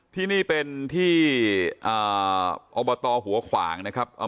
ที่นี่เป็นที่อบตหัวขวางนะครับ